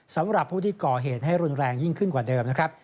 สำหรับผู้ที่ก่อเหตุให้รุนแรงยิ่งขึ้นกว่าเดิมนะครับ